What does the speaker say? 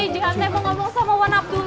jangan telepon ngomong sama wan abdullah